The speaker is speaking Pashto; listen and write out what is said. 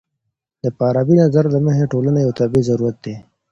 د فارابي د نظر له مخې ټولنه يو طبيعي ضرورت دی.